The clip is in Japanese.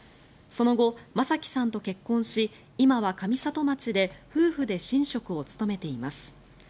その後、正樹さんと結婚し今は上里町で夫婦で神職を務めています。